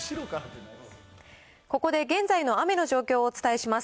ここで現在の雨の状況をお伝えします。